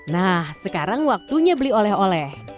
nah sekarang waktunya beli oleh oleh